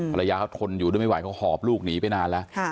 ภรรยาเขาทนอยู่ด้วยไม่ไหวเขาหอบลูกหนีไปนานแล้ว